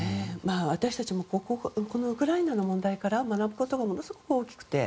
私たちもこのウクライナの問題から学ぶことがものすごく大きくて。